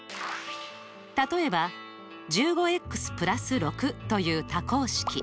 例えば１５＋６という多項式。